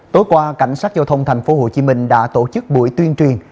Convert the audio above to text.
tối qua cảnh sát giao thông thành phố hồ chí minh đã tổ chức buổi tuyên truyền